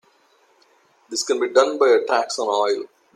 This can be done by a tax on oil.